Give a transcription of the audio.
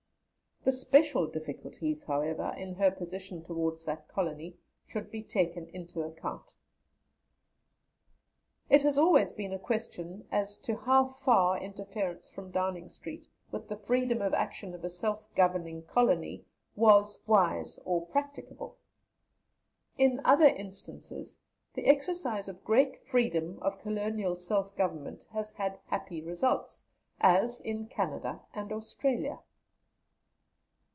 The special difficulties, however, in her position towards that Colony should be taken into account. It has always been a question as to how far interference from Downing Street with the freedom of action of a Self Governing Colony was wise or practicable. In other instances, the exercise of great freedom of colonial self government has had happy results, as in Canada and Australia.